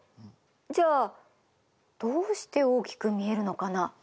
じゃあどうして大きく見えるのかな？